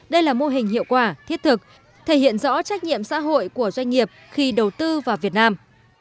đây là mô hình hiệu quả thiết thực thể hiện rõ trách nhiệm xã hội của doanh nghiệp khi đầu tư vào việt nam